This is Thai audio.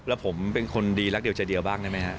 แล้วผมเป็นคนดีรักเดียวใจเดียวบ้างได้ไหมฮะ